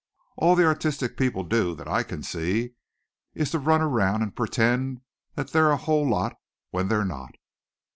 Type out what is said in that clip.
All the artistic people do, that I can see, is to run around and pretend that they're a whole lot when they're not."